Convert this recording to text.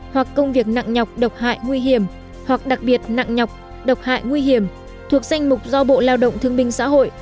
hoặc công việc nặng nhọc độc hại nguy hiểm thuộc danh mục do bộ lao động thương binh xã hội